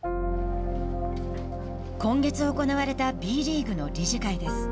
今月行われたＢリーグの理事会です。